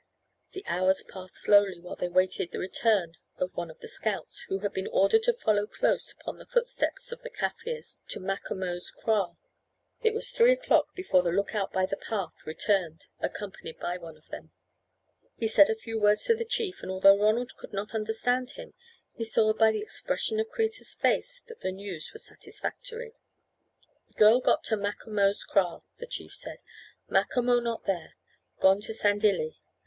The hours passed slowly while they waited the return of one of the scouts, who had been ordered to follow close upon the footsteps of the Kaffirs to Macomo's kraal. It was three o'clock before the look out by the path returned, accompanied by one of them. He said a few words to the chief, and although Ronald could not understand him he saw by the expression of Kreta's face that the news was satisfactory. "Girl got to Macomo's kraal," the chief said. "Macomo not there. Gone to Sandilli.